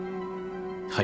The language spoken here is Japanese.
はい。